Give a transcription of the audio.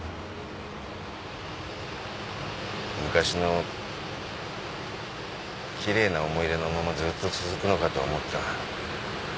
昔の奇麗な思い出のままずっと続くのかと思った。